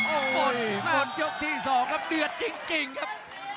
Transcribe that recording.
โอ้โหหมดยกที่๒ครับเดือดจริงครับ